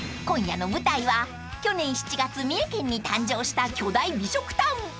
［今夜の舞台は去年７月三重県に誕生した巨大美食タウン